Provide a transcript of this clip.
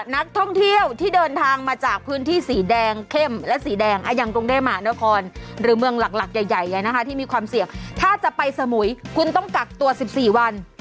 นักท่องเที่ยวที่เดินทางมาจากพื้นที่สีแดงเข้มและสีแดงอย่างกรุงเทพมหานครหรือเมืองหลักใหญ่ที่มีความเสี่ยงถ้าจะไปสมุยคุณต้องกักตัว๑๔วัน